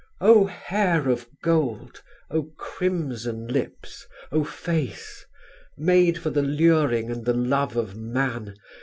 O Hair of Gold! O Crimson Lips! O Face! Made for the luring and the love of man!